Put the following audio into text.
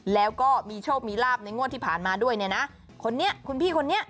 แล้วก็มีโชคมีลาบในงวดที่ผ่านมาด้วยเนี่ยนะคนนี้คุณพี่คนนี้